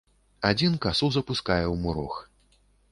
Адзін касу запускае ў мурог.